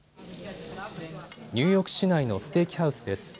ニューヨーク市内のステーキハウスです。